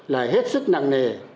là hết sức nặng nề